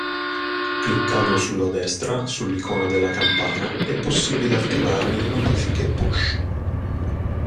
Cliccando sulla destra, sull'icona della campana, è possibile attivare le notifiche push.